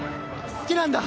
好きなんだ